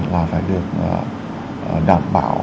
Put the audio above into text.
là phải được đảm bảo